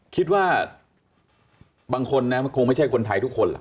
คิดว่าบางคนนะมันคงไม่ใช่คนไทยทุกคนล่ะ